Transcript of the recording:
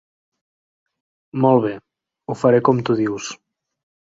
Molt bé; ho faré com tu dius.